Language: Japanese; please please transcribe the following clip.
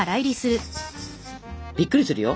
びっくりするよ。